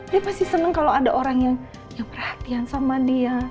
dia pasti senang kalau ada orang yang perhatian sama dia